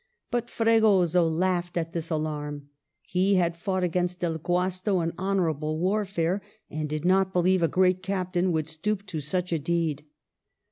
But Fregoso laughed at this alarm ; he had fought against Del Guasto in honorable warfare, and did not believe a great captain would stoop to such a deed.